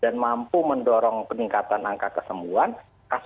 dan mampu mendorong peningkatan angka keseluruhan kasus itu